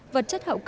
vật chất hợp